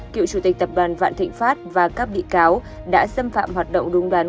cựu chủ tịch tập đoàn vạn thịnh pháp và các bị cáo đã xâm phạm hoạt động đúng đắn